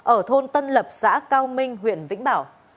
ở thôn tân lập xã cao minh huyện vĩnh bảo